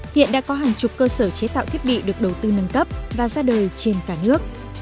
hiện đã có hàng chục cơ sở chế tạo thiết bị được đầu tư nâng cấp và ra đời trên cả nước